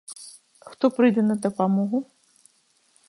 Хто прыйдзе на дапамогу?